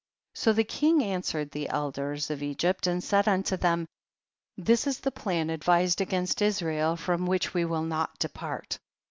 7. So the king answered the elders of Egypt and said unto them, this is the plan advised against Israel, from which we will not depart.